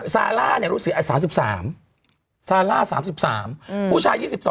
ซาร่ารู้สึก๓๓ซาร่า๓๓ผู้ชาย๒๒